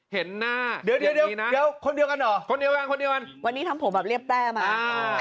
เห็นหน้าอย่างนี้นะเดี๋ยววันนี้ทำผมเรียบแต้วันนี้